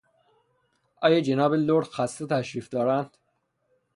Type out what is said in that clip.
آیا جناب لرد خسته تشریف دارند؟